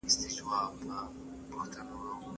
د بدلون قانون ستاسو اختیار زیاتوي.